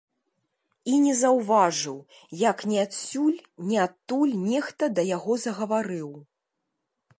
І не заўважыў, як ні адсюль, ні адтуль нехта да яго загаварыў.